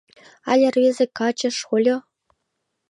Але рвезе каче — шольо?